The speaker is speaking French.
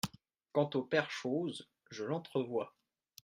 Quant au père Chose, je l'entrevois.